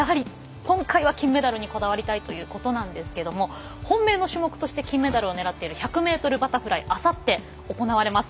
今回は金メダルにこだわりたいということですが本命の種目として金メダルをねらっている１００ｍバタフライあさって行われます。